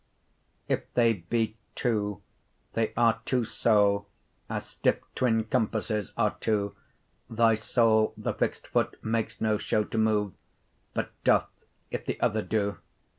If they be two, they are two so 25 As stiffe twin compasses are two, Thy soule the fixt foot, makes no show To move, but doth, if the'other doe.